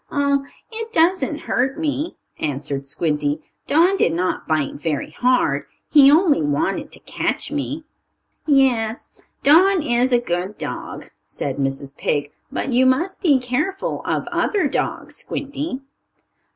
"Oh, it doesn't hurt me," answered Squinty. "Don did not bite very hard. He only wanted to catch me." "Yes, Don is a good dog," said Mrs. Pig. "But you must be careful of other dogs, Squinty."